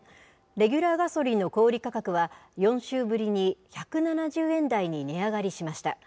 レギュラーガソリンの小売り価格は、４週ぶりに１７０円台に値上がりしました。